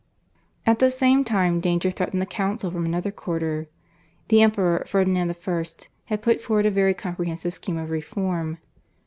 At the same time danger threatened the council from another quarter. The Emperor, Ferdinand I. had put forward a very comprehensive scheme of reform.